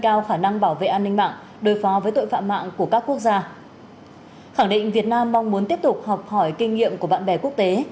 khẳng định việt nam mong muốn tiếp tục học hỏi kinh nghiệm của bạn bè quốc tế